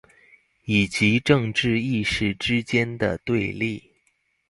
以及政治意識之間的對立